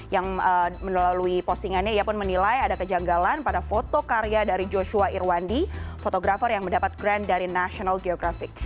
yang melalui postingannya ia pun menilai ada kejanggalan pada foto karya dari joshua irwandi fotografer yang mendapat grand dari national geographic